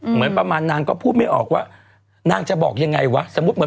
เหมือนประมาณนางก็พูดไม่ออกว่านางจะบอกยังไงวะ